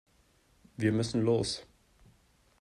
Wir müssen los.